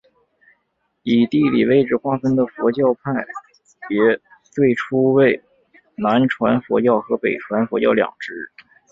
以地理位置划分的佛教派别最初为南传佛教和北传佛教两支。